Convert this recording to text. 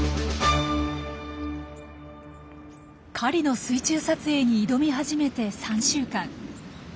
狩りの水中撮影に挑み始めて３週間。